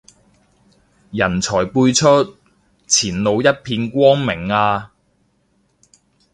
人才輩出，前路一片光明啊